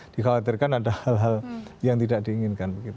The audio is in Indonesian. dikhawatirkan ada hal hal yang tidak diinginkan